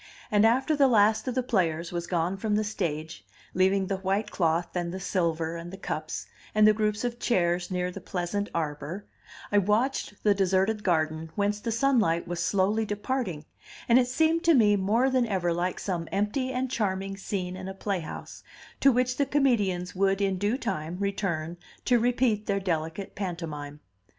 And after the last of the players was gone from the stage, leaving the white cloth, and the silver, and the cups, and the groups of chairs near the pleasant arbor, I watched the deserted garden whence the sunlight was slowly departing, and it seemed to me more than ever like some empty and charming scene in a playhouse, to which the comedians would in due time return to repeat their delicate pantomime.